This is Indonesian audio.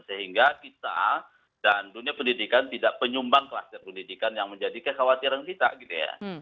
sehingga kita dan dunia pendidikan tidak penyumbang kluster pendidikan yang menjadi kekhawatiran kita gitu ya